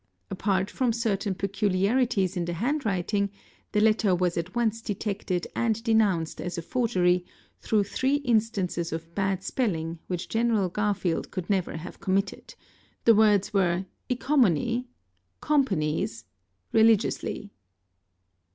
Apart from 'certain peculiarities in the handwriting, the letter was at once detected and denounced as a forgery through three instances of bad spelling which General Garfield could never have committed; the words were 'ecomony "', "companys", '"' religeously ""®.